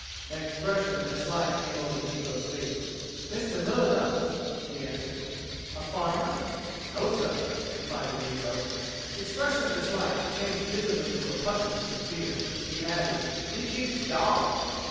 An expression of dislike came over the negro's face. "Mistah Murdock's," he answered. "A farmer?" "No, suh," replied the negro. The expression of dislike changed visibly to repugnance and fear. He added: "He keeps dawgs!"